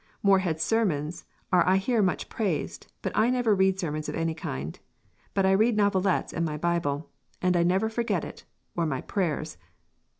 "Moreheads sermons are I hear much praised, but I never read sermons of any kind; but I read novelettes and my Bible, and I never forget it, or my prayers."